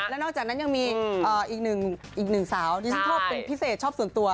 แล้วนอกจากนั้นยังมีอีกหนึ่งสาวที่ฉันชอบเป็นพิเศษชอบส่วนตัว